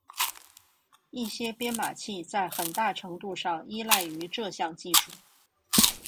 一些编码器在很大程度上依赖于这项技术。